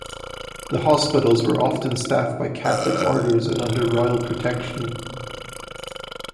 The hospitals were often staffed by Catholic orders and under royal protection.